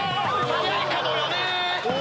早いかもよねぇ！